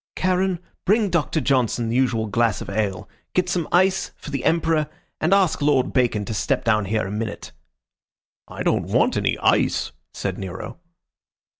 "Charon, bring Doctor Johnson the usual glass of ale. Get some ice for the Emperor, and ask Lord Bacon to step down here a minute." "I don't want any ice," said Nero.